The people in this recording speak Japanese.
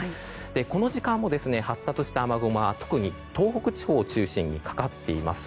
この時間も発達した雨雲が特に東北地方を中心にかかっています。